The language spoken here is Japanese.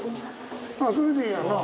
それでええやんな。